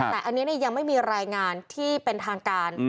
แต่อันนี้ยังไม่มีรายงานที่เป็นทางการ